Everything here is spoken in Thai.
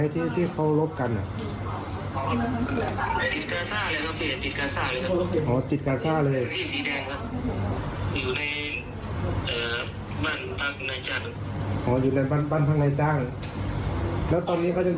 ตอนนี้ก็ยังยิงกันอยู่ใช่ไหม